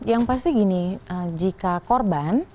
yang pasti gini jika korban